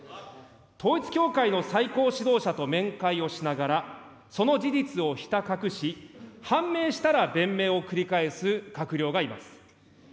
統一教会の最高指導者と面会をしながら、その事実をひた隠し、判明したら弁明を繰り返す閣僚がいます。